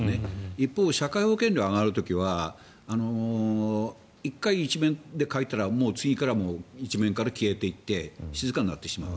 一方、社会保険料上がる時は１回、１面で書いたらもう次から１面から消えていって静かになってしまう。